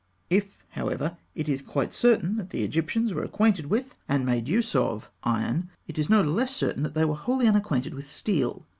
If, however, it is quite certain that the Egyptians were acquainted with, and made use of, iron, it is no less certain that they were wholly unacquainted with steel.